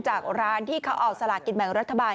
จากร้านที่เขาออกสลากินแบ่งรัฐบาล